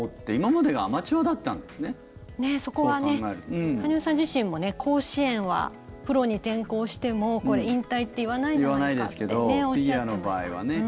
そこは羽生さん自身も甲子園は、プロに転向しても引退って言わないじゃないかっておっしゃってましたね。